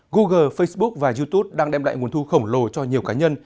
google facebook và youtube đang đem lại nguồn thu khổng lồ cho nhiều cá nhân